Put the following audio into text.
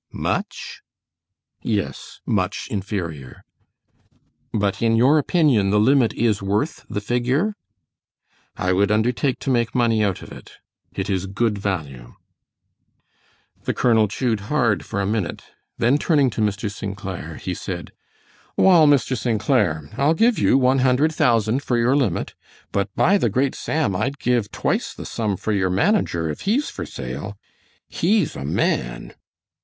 "Much?" "Yes, much inferior." "But in your opinion the limit is worth the figure?" "I would undertake to make money out of it; it is good value." The colonel chewed hard for a minute, then turning to Mr. St. Clair, he said: "Wall, Mr. St. Clair, I'll give you one hundred thousand for your limit; but by the great Sam, I'd give twice the sum for your manager, if he's for sale! He's a man!"